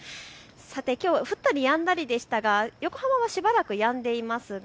きょうは降ったりやんだりでしたが横浜はしばらくやんでいます。